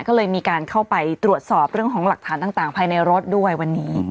ก็เลยมีการเข้าไปตรวจสอบเรื่องของหลักฐานต่างภายในรถด้วยวันนี้